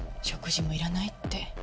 食事もいらないって。